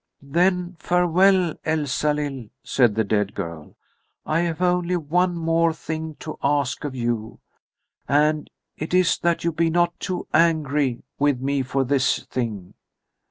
"Then farewell, Elsalill," said the dead girl. "I have only one more thing to ask of you. And it is that you be not too angry with me for this thing."